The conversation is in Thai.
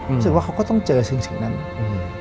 รู้สึกว่าเขาก็ต้องเจอสิ่งนั้นอืม